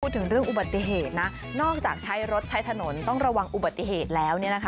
ถึงเรื่องอุบัติเหตุนะนอกจากใช้รถใช้ถนนต้องระวังอุบัติเหตุแล้ว